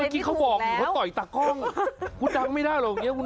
เมื่อกี้เขาบอกต่อยตากล้องคุณดังไม่ได้หรอกอย่าดังเลย